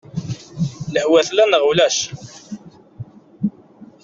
Lehwa tella neɣ ulac?